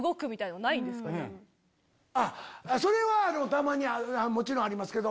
それはたまにもちろんありますけど。